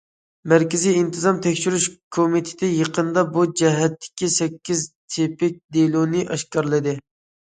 مەركىزىي ئىنتىزام تەكشۈرۈش كومىتېتى يېقىندا بۇ جەھەتتىكى سەككىز تىپىك دېلونى ئاشكارىلىدى.